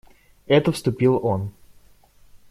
Это вступил он.